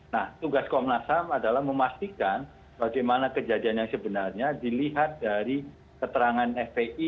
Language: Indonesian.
nah tugas komnas ham adalah memastikan bagaimana kejadian yang sebenarnya dilihat dari keterangan fpi